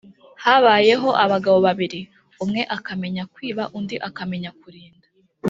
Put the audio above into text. Habayeho abagabo babiri, umwe akamenya kwiba undi akamenya kurinda